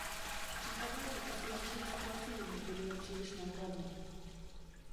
Případné pokusy řešit situaci jinak by byly příliš nákladné.